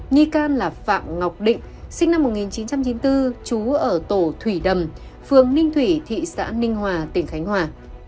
nghi can là phạm ngọc định sinh năm một nghìn chín trăm chín mươi bốn trú ở tổ thủy đầm phường ninh thủy thị xã ninh hòa tỉnh khánh hòa